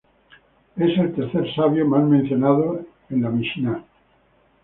Él es el tercer sabio más mencionado en la Mishná.